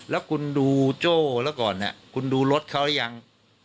แล้วคุณดูโจ้แล้วก่อนคุณดูรถเขายัง